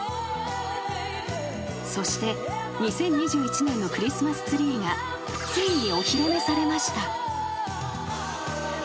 ［そして２０２１年のクリスマスツリーがついにお披露目されました］